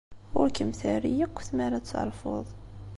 Ur kem-terri akk tmara ad terfuḍ.